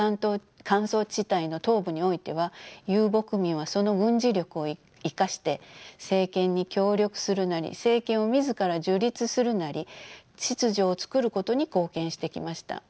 乾燥地帯の東部においては遊牧民はその軍事力を生かして政権に協力するなり政権を自ら樹立するなり秩序を作ることに貢献してきました。